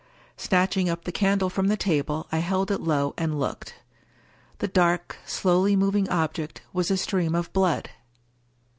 Snatching up the candle from the table, I held it low, and looked. The dark, slowly moving object was a stream of blood